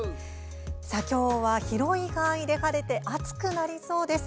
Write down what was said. きょうは広い範囲で晴れて暑くなりそうです。